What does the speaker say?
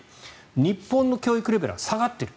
日本の教育レベルは下がっている。